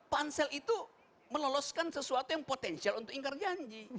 pansel itu meloloskan sesuatu yang potensial untuk ingkar janji